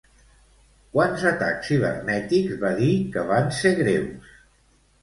Quants atacs cibernètics va dir que van ser greus?